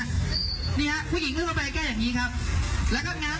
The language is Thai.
ทำได้เราให้ก็ลืมกับตัวนะครับ